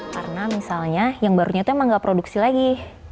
karena misalnya yang barunya itu emang enggak produksi lagi